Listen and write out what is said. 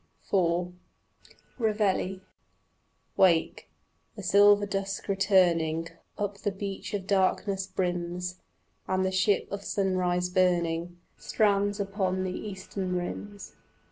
IV REVEILLE Wake: the silver dusk returning Up the beach of darkness brims, And the ship of sunrise burning Strands upon the eastern rims.